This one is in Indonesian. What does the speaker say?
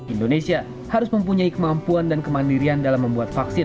indonesia harus mempunyai kemampuan dan kemandirian dalam membuat vaksin